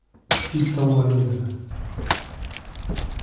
Itaueira